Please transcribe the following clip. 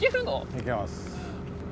いけます。